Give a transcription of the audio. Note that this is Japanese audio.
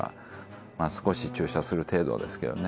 まあ少し注射する程度ですけどね